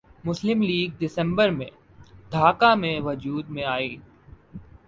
مسلم لیگ دسمبر میں ڈھاکہ میں وجود میں آئی